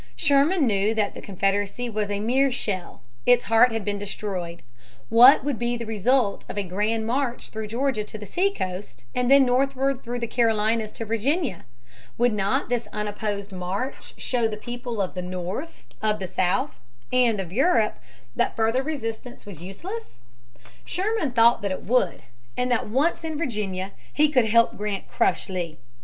Sherman knew that the Confederacy was a mere shell. Its heart had been destroyed. What would be the result of a grand march through Georgia to the seacoast, and then northward through the Carolinas to Virginia? Would not this unopposed march show the people of the North, of the South, and of Europe that further resistance was useless? Sherman thought that it would, and that once in Virginia he could help Grant crush Lee.